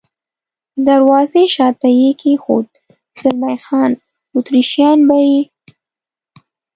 د دروازې شاته یې کېښود، زلمی خان: اتریشیان به یې.